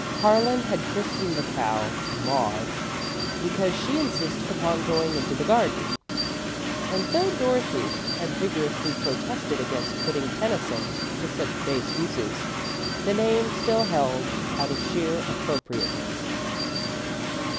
Harlan had christened the cow "Maud" because she insisted upon going into the garden, and though Dorothy had vigorously protested against putting Tennyson to such base uses, the name still held, out of sheer appropriateness.